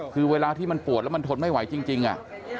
คือเวลาที่มันปวดแล้วมันทนไม่ไหวจริงอ่ะ